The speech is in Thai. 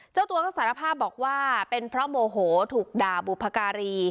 เจ้าตัวก็สารภาพบอกว่าเป็นเพราะโมโหถูกด่าบุพการี